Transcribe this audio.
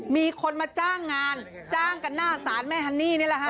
มีคนมาจ้างงานจ้างกันหน้าศาลแม่ฮันนี่นี่แหละฮะ